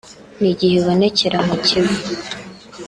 n’igihe ibonekera mu Kivu